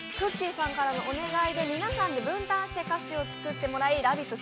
さんからのお願いで皆さんで分担で歌詞を作ってもらい「ラヴィット！」